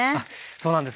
そうなんです。